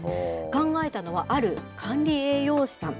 考えたのは、ある管理栄養士さん。